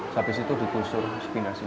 habis itu digusur harus pindah sini